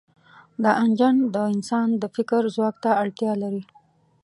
دا انجن د انسان د فکر ځواک ته اړتیا لري.